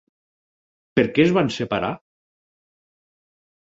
Per què es van separar?